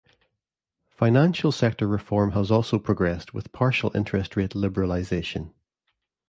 Financial sector reform has also progressed with partial interest rate liberalization.